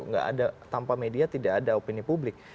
nggak ada tanpa media tidak ada opini publik